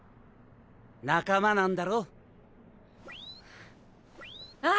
仲間なんだろ！？